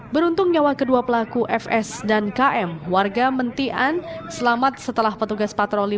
beruntung nyawa kedua pelaku fs dan km warga mentian selamat setelah petugas patroli